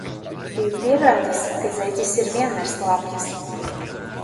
Biju pieradis, ka zeķes ir vienmēr slapjas.